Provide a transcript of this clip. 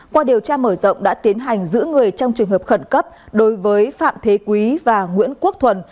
qua điều tra mở rộng đã tiến hành giữ người trong trường hợp khẩn cấp đối với phạm thế quý và nguyễn quốc thuần